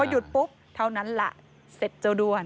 หยุดปุ๊บเท่านั้นล่ะเสร็จเจ้าด้วน